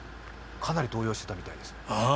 かなり動揺してたみたい？